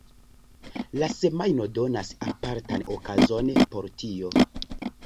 La Semajno donas apartan okazon por tio.